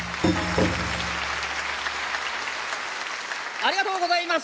ありがとうございます。